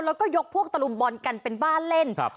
แล้วก็ยกพวกตะลุมบอลกันเป็นบ้านเล่นครับ